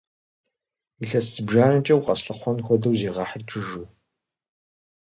Илъэс зыбжанэкӏэ укъэслъыхъуэн хуэдэу зегъэхьыт жыжьэу!